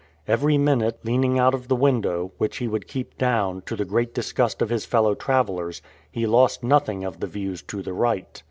Every minute leaning out of the window, which he would keep down, to the great disgust of his fellow travelers, he lost nothing of the views to the right.